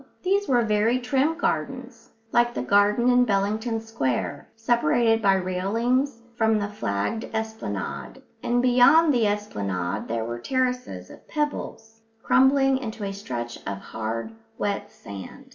These were very trim gardens, like the garden in Bellington Square, separated by railings from the flagged esplanade; and beyond the esplanade there were terraces of pebbles, crumbling into a stretch of hard, wet sand.